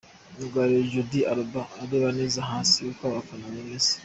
Myugariro Jordi Alba areba neza hasi uko abafana bameze.